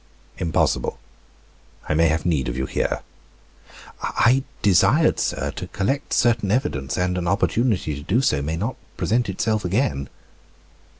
"Impossible, I may have need of you here." "I desired, sir, to collect certain evidence and an opportunity to do so may not present itself again."